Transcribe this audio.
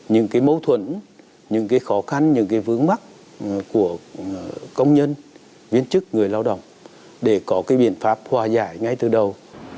những mâu thuẫn những khó khăn những vướng mắt của công nhân viên chức người lao động để có biện pháp hòa giải ngay từ đầu